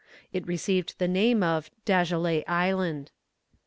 It received the name of Dagelet Island.